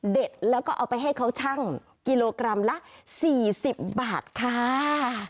แล้วก็เอาไปให้เขาชั่งกิโลกรัมละ๔๐บาทค่ะ